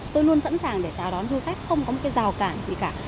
tôi luôn sẵn sàng để chào đón du khách không có một cái rào cản gì cả